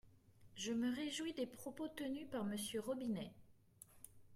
Je me réjouis des propos tenus par Monsieur Robinet.